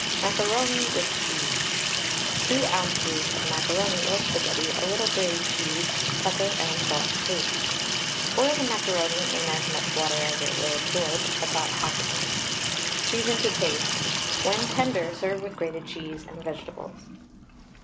MACARONI WITH CHEESE. 2 oz. of macaroni or Spaghetti, a little grated cheese, pepper and salt to taste. Boil the macaroni in as much water as it will absorb (about 1/2 pint). Season to taste. When tender serve with grated cheese and vegetables.